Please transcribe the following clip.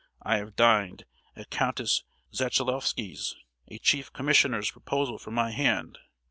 I have dined at Countess Zalichvatsky's; a chief commissioner proposed for my hand!